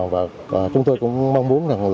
và chúng tôi cũng mong muốn